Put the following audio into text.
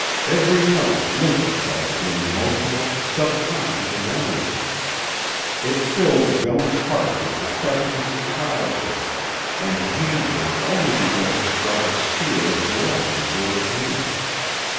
Every note linked itself to an emotional, subconscious memory. It filled Joan's heart with the freshness of childhood and pained her only because it struck a spear of delight into her pain.